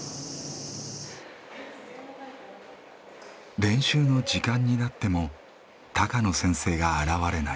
練習の時間になっても高野先生が現れない。